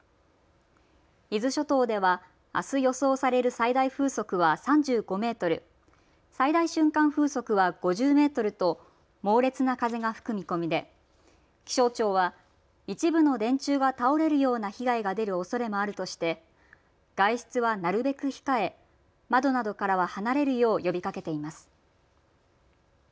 伊豆諸島ではあす予想される最大風速は３５メートル、最大瞬間風速は５０メートルと猛烈な風が吹く見込みで気象庁は一部の電柱が倒れるような被害が出るおそれもあるとして外出はなるべく控え窓などからは離れるよう呼びかけています。